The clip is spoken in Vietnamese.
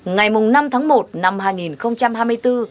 ngày năm tháng một năm hai nghìn hai mươi bốn